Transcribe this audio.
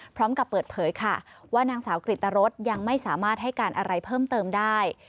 พร้อมกับเปิดเผยค่ะว่านางสาวกริตรสยังไม่สามารถให้การอะไรเพิ่มเติมได้